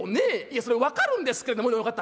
いやそれ分かるんですけど親方。